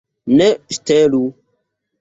Ne ŝtelu.